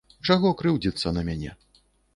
Чаго крыўдзіцца на мяне?